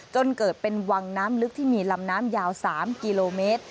จนเกิดเป็นวังน้ำลึกที่มีลำน้ำยาว๓กิโลเมตร